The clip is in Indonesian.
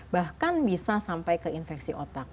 bahkan bisa sampai ke infeksi otak